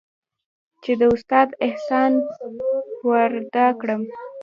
چې د استاد احسان ورادا كړم.